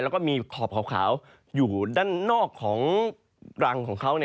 แล้วก็มีขอบขาวอยู่ด้านนอกของรังของเขา